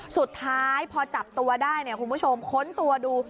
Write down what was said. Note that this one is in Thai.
สุดท้ายพอจับตัวได้เนี่ยคุณผู้ชมค้นตัวดู